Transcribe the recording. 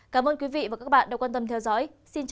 cảm ơn quý vị và các bạn đã quan tâm theo dõi xin chào và hẹn gặp lại